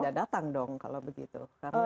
kita tidak datang dong kalau begitu